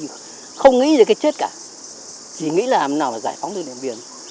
chị không nghĩ về cái chết cả chỉ nghĩ là nào là giải phóng được điện biên